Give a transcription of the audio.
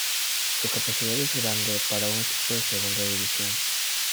Su capacidad es grande para un equipo de segunda división.